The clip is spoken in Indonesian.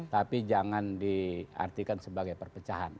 tapi jangan di artikan sebagai perpecahan